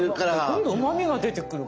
どんどんうまみが出てくる。